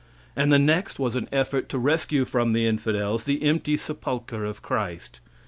And the next was an effort to rescue from the infidels the empty sepulchre of Christ.